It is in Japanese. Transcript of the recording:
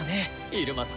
入間様。